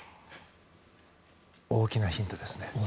大きなヒントですね。